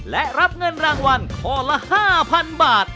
และรับเงินรางวัลข้อละ๕๐๐๐บาท